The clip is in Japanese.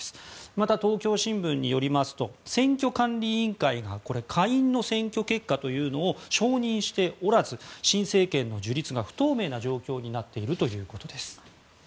また、東京新聞によりますと選挙管理委員会が下院の選挙結果を承認しておらず新政権の樹立が不透明な状況になっているということです。